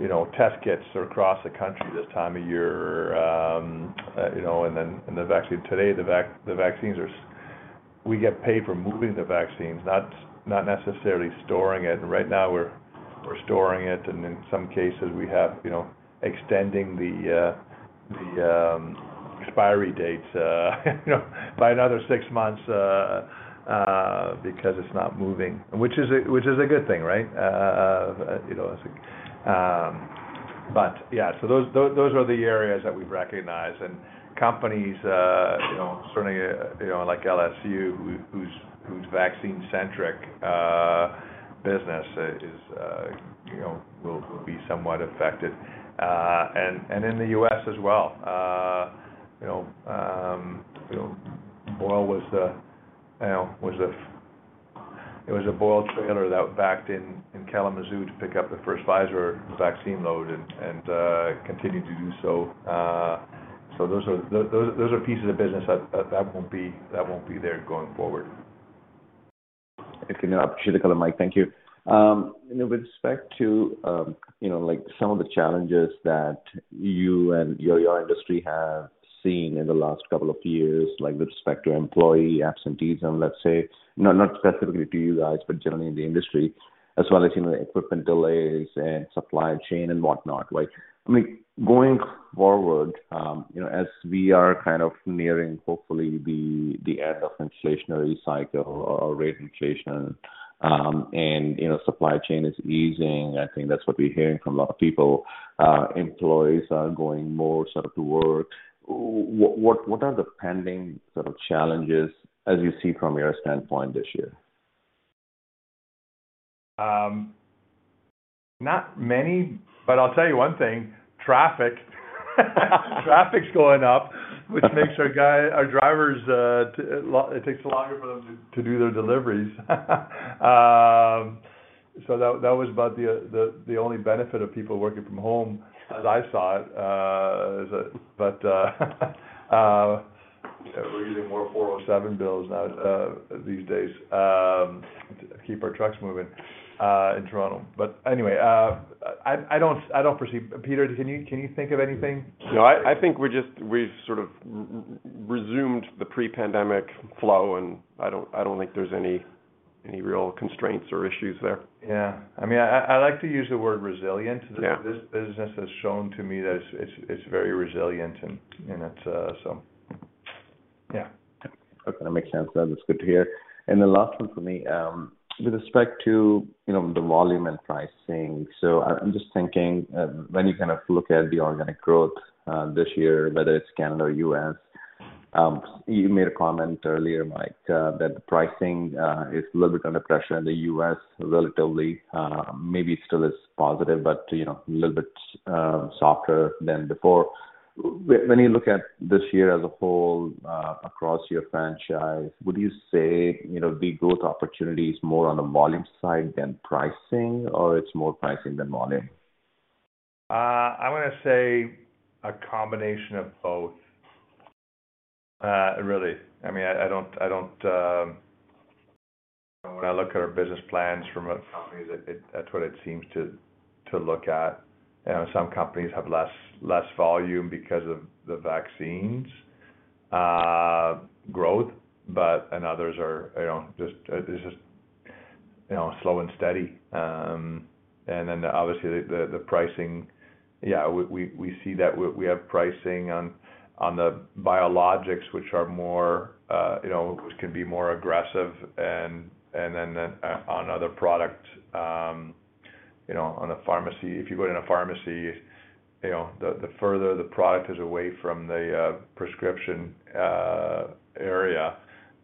you know, test kits across the country this time of year, you know, and then, and the vaccine. Today, the vaccines are We get paid for moving the vaccines, not necessarily storing it. Right now we're storing it, and in some cases we have, you know, extending the expiry dates, you know, by another six months, because it's not moving. Which is a good thing, right? You know, it's. Yeah. Those are the areas that we've recognized. Companies, you know, certainly, you know, like LSU, whose vaccine centric business is, you know, will be somewhat affected. In the U.S. as well. You know, Boyle was the, you know, It was a Boyle trailer that backed in Kalamazoo to pick up the first Pfizer vaccine load and continued to do so. Those are pieces of business that won't be there going forward. Okay. No, I appreciate the color, Mike. Thank you. You know, with respect to, you know, like some of the challenges that you and your industry have seen in the last couple of years, like with respect to employee absenteeism, let's say. No, not specifically to you guys, but generally in the industry, as well as, you know, equipment delays and supply chain and whatnot, right? I mean, going forward, you know, as we are kind of nearing hopefully the end of inflationary cycle or rate inflation, and, you know, supply chain is easing. I think that's what we're hearing from a lot of people. Employees are going more sort of to work. What are the pending sort of challenges as you see from your standpoint this year? Not many. I'll tell you one thing, traffic. Traffic's going up, which makes our guy, our drivers, it takes longer for them to do their deliveries. That was about the only benefit of people working from home, as I saw it. We're using more 407 bills now these days to keep our trucks moving in Toronto. Anyway, I don't foresee... Peter, can you think of anything? No, I think we just, we've sort of resumed the pre-pandemic flow, and I don't think there's any real constraints or issues there. I mean, I like to use the word resilient. Yeah. This business has shown to me that it's very resilient and it's. Yeah. Okay. That makes sense. That is good to hear. The last one for me, with respect to, you know, the volume and pricing. I'm just thinking, when you kind of look at the organic growth this year, whether it's Canada or U.S., you made a comment earlier, Mike, that the pricing is a little bit under pressure in the U.S. relatively, maybe still is positive, but, you know, a little bit softer than before. When you look at this year as a whole across your franchise, would you say, you know, the growth opportunity is more on the volume side than pricing, or it's more pricing than volume? I wanna say a combination of both. Really. I mean, I don't, when I look at our business plans from a company, that's what it seems to look at. You know, some companies have less volume because of the vaccines growth, but others are, you know, just, it's just, you know, slow and steady. Then obviously the pricing, yeah, we see that. We have pricing on the biologics, which are more, you know, which can be more aggressive and then on other product, you know, on a pharmacy. If you go in a pharmacy, you know, the further the product is away from the prescription area,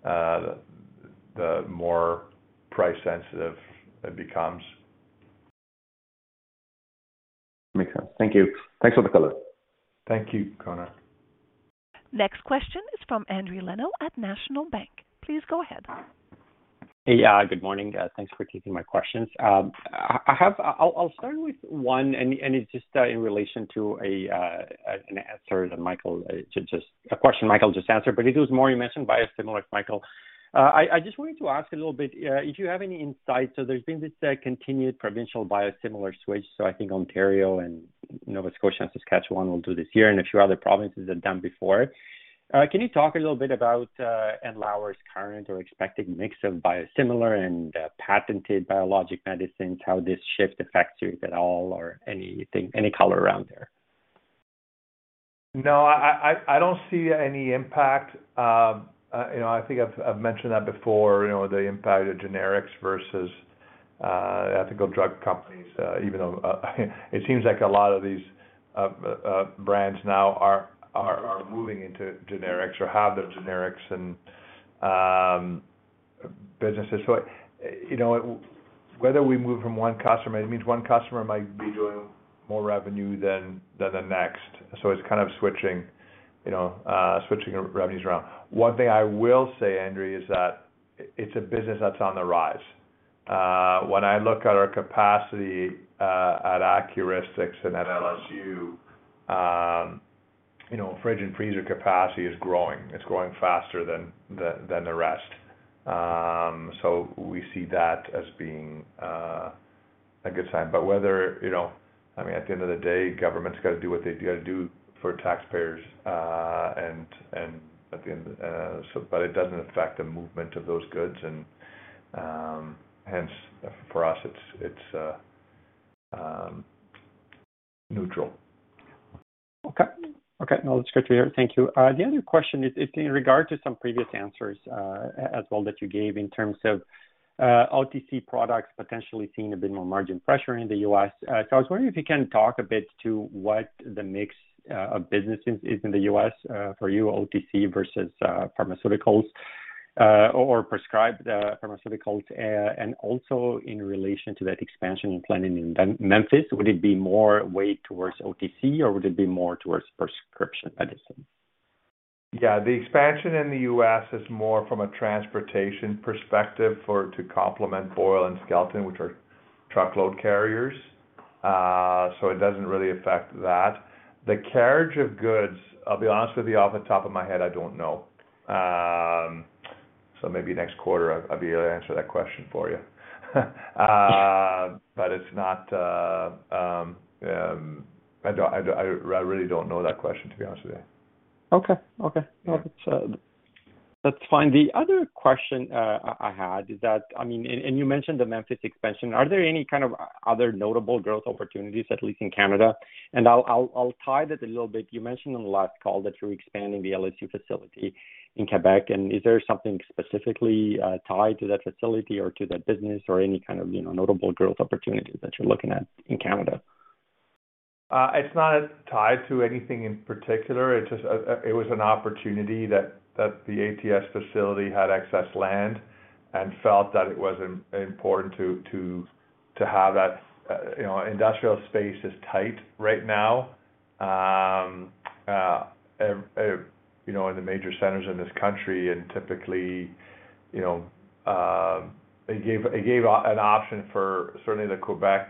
the more price sensitive it becomes. Makes sense. Thank you. Thanks for the color. Thank you, Konark. Next question is from Endri Leno at National Bank. Please go ahead. Hey. Yeah, good morning. Thanks for taking my questions. I'll start with one, and it's just in relation to an answer that Michael just answered, but it was more you mentioned biosimilar, Michael. I just wanted to ask a little bit if you have any insight. There's been this continued provincial biosimilar switch. I think Ontario and Nova Scotia and Saskatchewan will do this year, and a few other provinces have done before. Can you talk a little bit about Andlauer's current or expected mix of biosimilar and patented biologic medicines, how this shifts the factory at all, or anything, any color around there? No, I don't see any impact. You know, I think I've mentioned that before, you know, the impact of generics versus ethical drug companies. Even though it seems like a lot of these brands now are moving into generics or have their generics and businesses. You know, whether we move from one customer, it means one customer might be doing more revenue than the next. It's kind of switching, you know, switching revenues around. One thing I will say, Endri, is that it's a business that's on the rise. When I look at our capacity at Accuristix and at LSU, you know, fridge and freezer capacity is growing. It's growing faster than the rest. We see that as being a good sign. Whether, you know, I mean, at the end of the day, government's got to do what they do to do for taxpayers, and it doesn't affect the movement of those goods. Hence for us, it's neutral. Okay. Okay. No, that's great to hear. Thank you. The other question is in regard to some previous answers as well that you gave in terms of OTC products potentially seeing a bit more margin pressure in the U.S.. I was wondering if you can talk a bit to what the mix of businesses is in the U.S. for you, OTC versus pharmaceuticals or prescribed pharmaceuticals. And also in relation to that expansion planning in Memphis, would it be more weight towards OTC or would it be more towards prescription medicine? Yeah, the expansion in the U.S. is more from a transportation perspective for to complement Boyle and Skelton, which are truckload carriers. It doesn't really affect that. The carriage of goods, I'll be honest with you, off the top of my head, I don't know. Maybe next quarter I'll be able to answer that question for you. It's not. I really don't know that question, to be honest with you. Okay. No, that's fine. The other question I had is that, I mean, and you mentioned the Memphis expansion. Are there any kind of other notable growth opportunities, at least in Canada? I'll tie that a little bit. You mentioned on the last call that you're expanding the LSU facility in Québec. Is there something specifically tied to that facility or to that business or any kind of, you know, notable growth opportunities that you're looking at in Canada? It's not tied to anything in particular. It's just, it was an opportunity that the ATS facility had excess land and felt that it was important to have that. You know, industrial space is tight right now, you know, in the major centers in this country. Typically, you know, it gave an option for certainly the Québec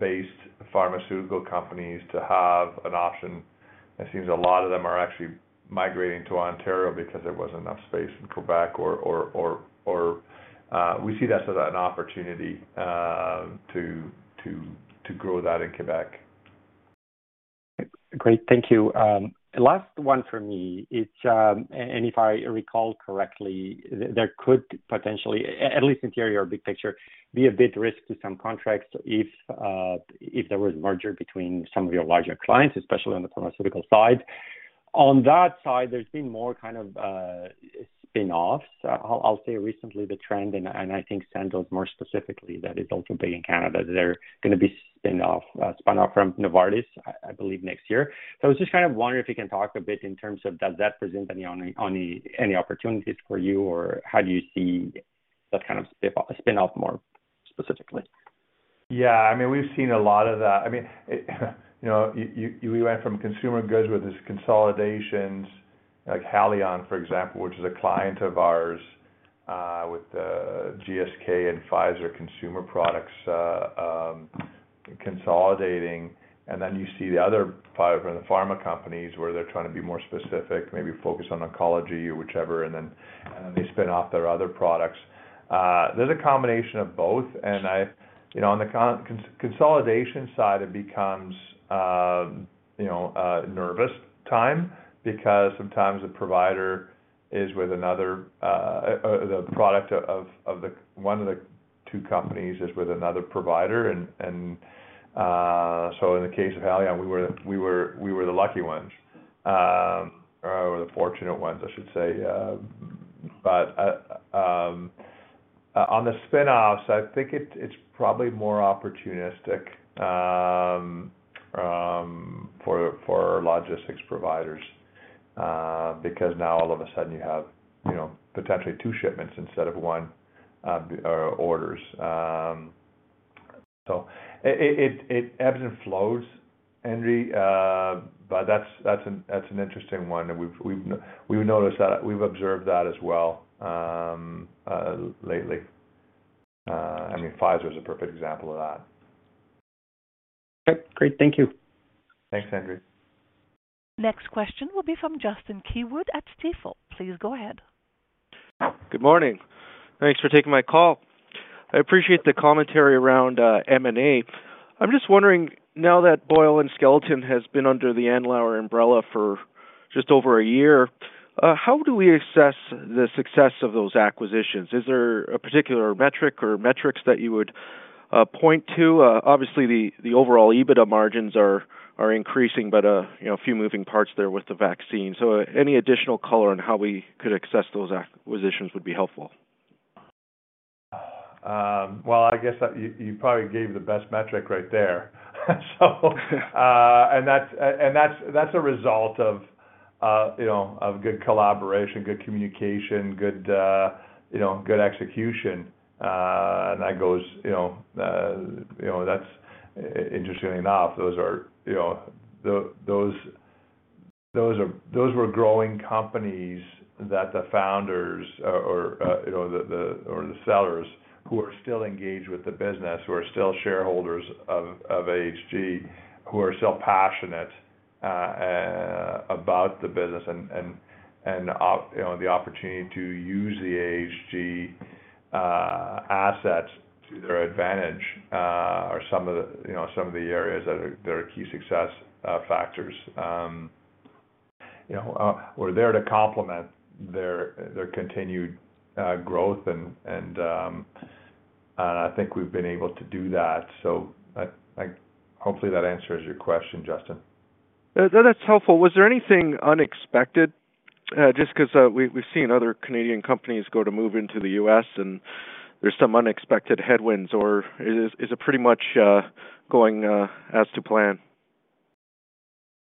based pharmaceutical companies to have an option. It seems a lot of them are actually migrating to Ontario because there wasn't enough space in Québec or we see that as an opportunity to grow that in Québec. Great. Thank you. Last one for me is, if I recall correctly, there could potentially, at least in theory or big picture, be a bit risk to some contracts if there was merger between some of your larger clients, especially on the pharmaceutical side. On that side, there's been more kind of spin-offs. I'll say recently the trend, and I think Sandoz more specifically, that is also big in Canada. They're gonna be spun off from Novartis, I believe, next year. I was just kind of wondering if you can talk a bit in terms of does that present any opportunities for you or how do you see that kind of spin off more specifically? Yeah, I mean, we've seen a lot of that. I mean, it, you know, you, we went from consumer goods with these consolidations like Haleon, for example, which is a client of ours, with GSK and Pfizer consumer products, consolidating. Then you see the other from the pharma companies where they're trying to be more specific, maybe focus on oncology or whichever, and then they spin off their other products. There's a combination of both. You know, on the consolidation side, it becomes, you know, a nervous time because sometimes the provider is with another, the product of the one of the two companies is with another provider. So in the case of Haleon, we were the lucky ones, or the fortunate ones, I should say. On the spin offs, I think it's probably more opportunistic for logistics providers, because now all of a sudden you have, you know, potentially two shipments instead of one, orders. It ebbs and flows, Endri. That's an interesting one. We've observed that as well, lately. I mean Pfizer is a perfect example of that. Okay, great. Thank you. Thanks, Endri. Next question will be from Justin Keywood at Stifel. Please go ahead. Good morning. Thanks for taking my call. I appreciate the commentary around M&A. I'm just wondering now that Boyle and Skelton has been under the Andlauer umbrella for. Just over a year. How do we assess the success of those acquisitions? Is there a particular metric or metrics that you would point to? Obviously the overall EBITDA margins are increasing but, you know, a few moving parts there with the vaccine. Any additional color on how we could assess those acquisitions would be helpful. Well, I guess that you probably gave the best metric right there. And that's, and that's a result of, you know, of good collaboration, good communication, good, you know, good execution. And that goes, you know, you know. That's, interestingly enough, those are, you know, those were growing companies that the founders or, you know, the, or the sellers who are still engaged with the business, who are still shareholders of AHG, who are still passionate about the business and, you know, the opportunity to use the AHG assets to their advantage, are some of the, you know, some of the areas that are, that are key success factors. you know, we're there to complement their continued growth and I think we've been able to do that. Hopefully, that answers your question, Justin. That's helpful. Was there anything unexpected, just 'cause we've seen other Canadian companies go to move into the U.S. and there's some unexpected headwinds, or is it pretty much going as to plan?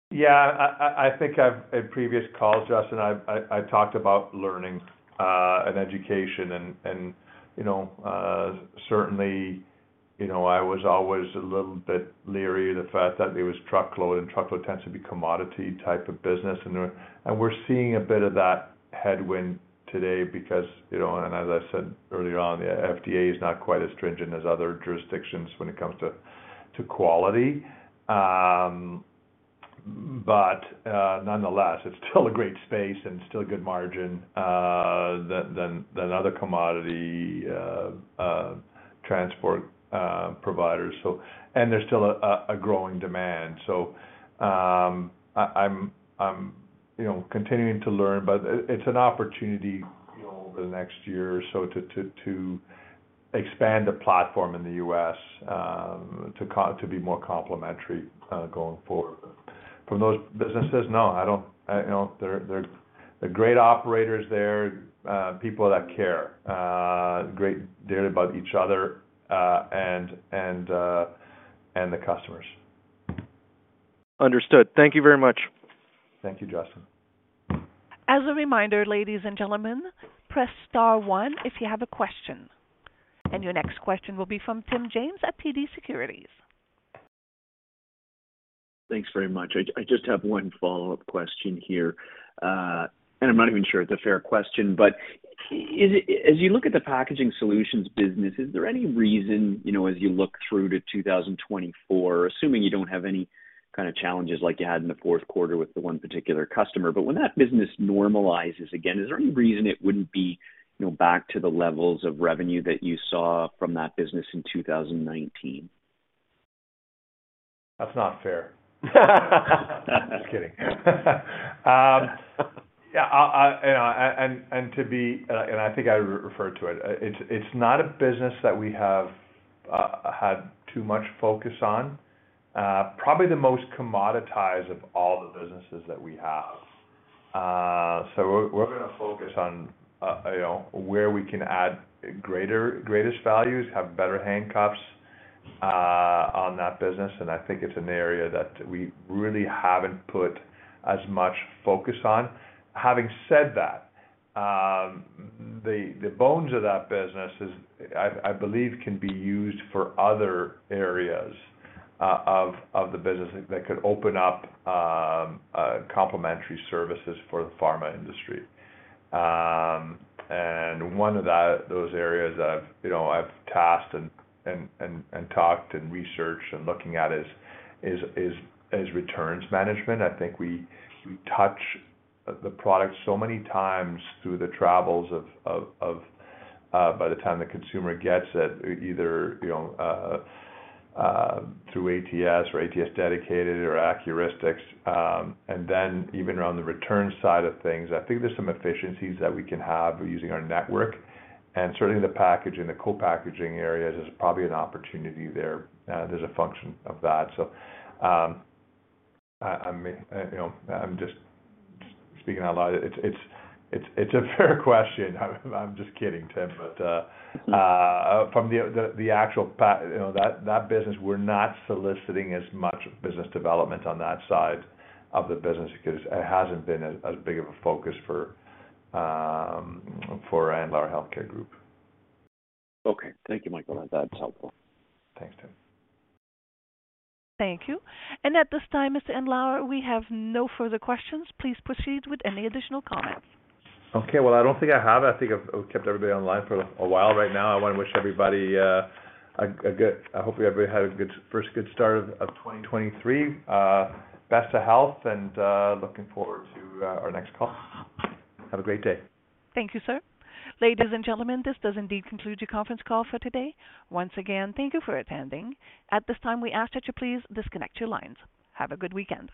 Yeah. I think I've, in previous calls, Justin, I've talked about learning and education and you know, certainly, you know, I was always a little bit leery of the fact that it was truckload, and truckload tends to be commodity type of business. We're seeing a bit of that headwind today because, you know, and as I said earlier on, the FDA is not quite as stringent as other jurisdictions when it comes to quality. But, nonetheless, it's still a great space and still a good margin than other commodity transport providers. There's still a growing demand. I'm, you know, continuing to learn, but it's an opportunity, you know, over the next year or so to expand the platform in the U.S. to be more complementary going forward. From those businesses, no, I don't, I, you know. They're great operators there, people that care great deal about each other and the customers. Understood. Thank you very much. Thank you, Justin. As a reminder, ladies and gentlemen, press star one if you have a question. Your next question will be from Tim James at TD Securities. Thanks very much. I just have one follow-up question here. I'm not even sure it's a fair question. As you look at the packaging solutions business, is there any reason, you know, as you look through to 2024, assuming you don't have any kind of challenges like you had in the fourth quarter with the one particular customer, but when that business normalizes again, is there any reason it wouldn't be, you know, back to the levels of revenue that you saw from that business in 2019? That's not fair. Just kidding. Yeah, I. You know, and to be. I think I referred to it. It's not a business that we have had too much focus on. Probably the most commoditized of all the businesses that we have. We're gonna focus on, you know, where we can add greatest values, have better handcuffs, on that business, and I think it's an area that we really haven't put as much focus on. Having said that, the bones of that business is, I believe, can be used for other areas of the business that could open up, complementary services for the pharma industry. One of that, those areas I've, you know, I've tasked and talked and researched and looking at is returns management. I think we touch the product so many times through the travels of by the time the consumer gets it, either, you know, through ATS or ATS Dedicated or Accuristix. Then even around the return side of things, I think there's some efficiencies that we can have using our network. Certainly, the packaging, the co-packaging areas is probably an opportunity there. There's a function of that. I mean, you know, I'm just speaking out loud. It's a fair question. I'm just kidding, Tim. From the actual, you know, that business, we're not soliciting as much business development on that side of the business because it hasn't been as big of a focus for Andlauer Healthcare Group. Okay. Thank you, Michael. That's helpful. Thanks, Tim. Thank you. At this time, Mr. Andlauer, we have no further questions. Please proceed with any additional comments. Okay. Well, I don't think I have. I think I've kept everybody on the line for a while right now. I wanna wish everybody, Hopefully, everybody had a good first start of 2023. Best of health and looking forward to our next call. Have a great day. Thank you, sir. Ladies and gentlemen, this does indeed conclude your conference call for today. Once again, thank you for attending. At this time, we ask that you please disconnect your lines. Have a good weekend.